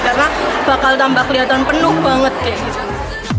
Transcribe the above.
karena bakal tambah kelihatan penuh banget kayak gitu